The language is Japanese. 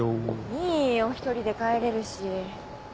いいよ１人で帰れるし。